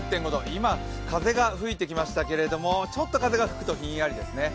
今、風が吹いてきましたけれどもちょっと風が吹くとひんやりですね。